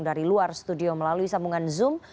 dari luar studio melalui sambungan zoom